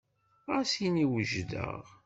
Ɣas ini wejdeɣ.